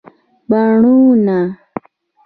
بڼونه